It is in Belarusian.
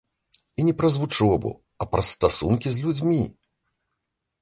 І не праз вучобу, а праз стасункі з людзьмі.